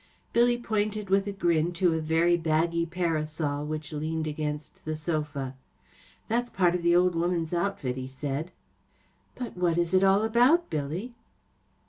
Billy pointed with a grin to a very baggy parasol which leaned against the sofa. That J s part of the old woman's outfit/ 1 he said. " But what is it all about* Billy